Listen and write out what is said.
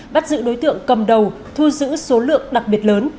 bắt giữ đối tượng cầm đầu thu giữ số lượng đặc biệt lớn